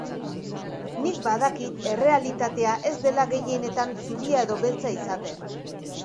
Nik badakit errealitatea ez dela gehienetan zuria edo beltza izaten.